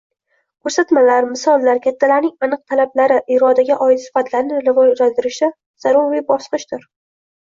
Ko‘rsatmalar, misollar, kattalarning aniq talablari – irodaga oid sifatlarni rivojlantirishda zaruriy bosqichdir